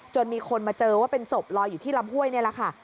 มีคนมาเจอว่าเป็นศพลอยอยู่ที่ลำห้วยนี่แหละค่ะ